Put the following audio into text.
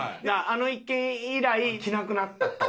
あの一件以来着なくなったと。